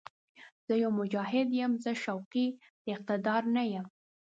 زه يو «مجاهد» یم، زه شوقي د اقتدار نه یم